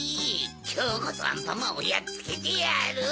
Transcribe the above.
きょうこそアンパンマンをやっつけてやる！